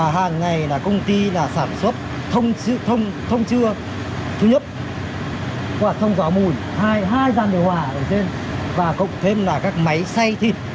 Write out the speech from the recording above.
hàng ngày công ty sản xuất thông chứa thu nhấp hoạt thông gió mùi hai dàn điều hòa ở trên và cộng thêm các máy xay thịt